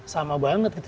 sama banget gitu